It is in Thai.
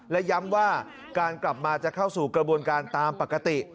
และย้ำว่าการกลับมาจะเข้าสู่กระบวนการตามปกติ